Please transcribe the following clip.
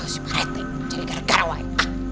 si pak rete jadi gara gara woy